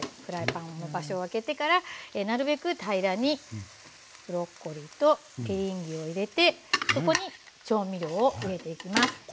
フライパンを場所をあけてからなるべく平らにブロッコリーとエリンギを入れてそこに調味料を入れていきます。